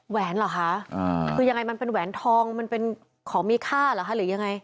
แหนเหรอคะคือยังไงมันเป็นแหวนทองมันเป็นของมีค่าเหรอคะหรือยังไง